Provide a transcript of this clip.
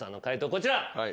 こちら。